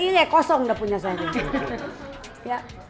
ini kosong udah punya saya